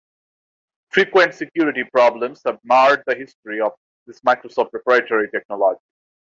Frequent security problems have marred the history of this Microsoft proprietary technology.